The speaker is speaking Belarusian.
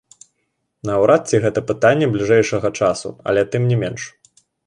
Наўрад ці гэта пытанне бліжэйшага часу, але тым не менш.